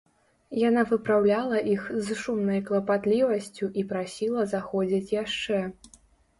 Яна выпраўляла іх з шумнай клапатлівасцю і прасіла заходзіць яшчэ.